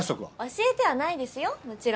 教えてはないですよもちろん。